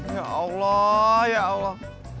ya allah ya allah